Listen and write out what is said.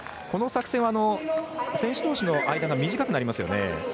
この作戦は、選手どうしの間が短くなりますよね。